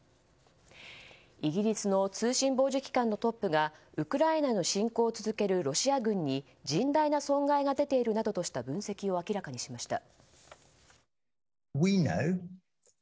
イギリスの通信傍受機関のトップがウクライナへの侵攻を続けるロシア軍に甚大な損害が出ているなどとした分析を明らかにしました。